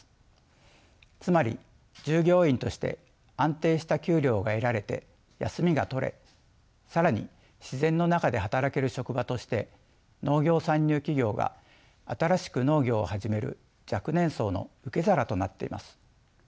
つまり従業員として安定した給料が得られて休みが取れ更に自然の中で働ける職場として農業参入企業が新しく農業を始める若年層の受け皿となっています。